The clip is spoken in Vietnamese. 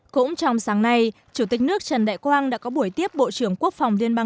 cũng trong sáng nay chủ tịch nước trần đại quang đã có buổi tiếp bộ trưởng quốc phòng liên bang